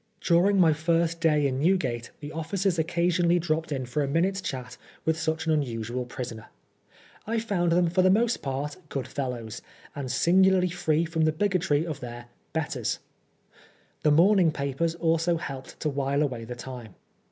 During my first day in Newgate, the officers occa sionally dropped in for a minute's chat with such an NEWGATE. 93 unnsnal prisoner. I found them for the most part " good fellows," and singularly free from the bigotry of their " betters." The morning papers also helped to wile away the time.